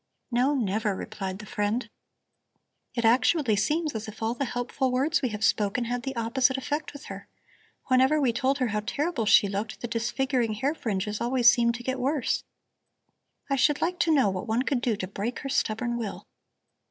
"No, never," replied the friend. "It actually seems as if all the helpful words we have spoken had the opposite effect with her. Whenever we told her how terrible she looked, the disfiguring hair fringes always seemed to get worse. I should like to know what one could do to break her stubborn will.